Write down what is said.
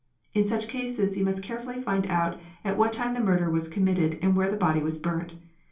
In such cases you must carefully find out at what time the murder was committed and where the body was burnt.